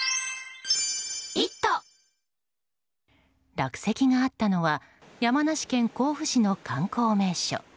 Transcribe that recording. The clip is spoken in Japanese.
落石があったのは山梨県甲府市の観光名所。